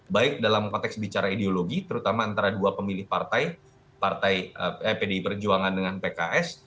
baik dalam konteks bicara ideologi terutama antara dua pemilih partai partai pdi perjuangan dengan pks